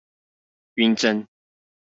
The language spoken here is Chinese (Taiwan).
暈針